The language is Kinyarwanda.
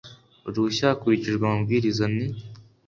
uruhushya hakurikijwe amabwiriza n